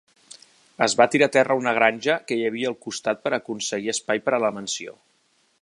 Es va tirar a terra una granja que hi havia al costat per aconseguir espai per a la mansió.